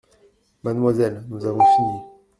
Mademoiselle, nous avons fini…